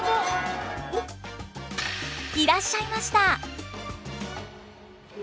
いらっしゃいました。